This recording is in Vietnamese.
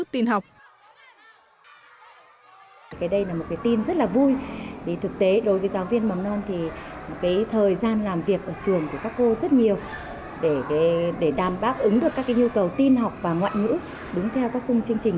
tin học và bộ nội dung cho đội ngũ giáo viên